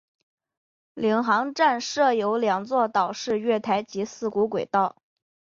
领航站设有两座岛式月台及四股轨道。